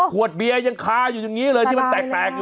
ขวดเบียร์ยังคาอยู่อย่างนี้เลยที่มันแตกอยู่